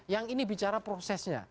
yang ini bicara prosesnya